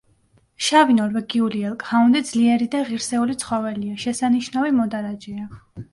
შავი ნორვეგიული ელკჰაუნდი ძლიერი და ღირსეული ცხოველია, შესანიშნავი მოდარაჯეა.